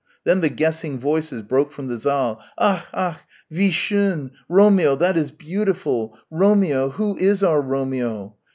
Then the guessing voices broke from the saal. "Ach! ach! Wie schön! Romeo! That is beautifoll. Romeo! Who is our Romeo?"